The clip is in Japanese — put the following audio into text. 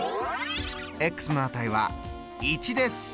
の値は１です！